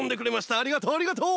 ありがとうありがとう！